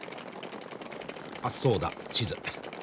あっそうだ地図。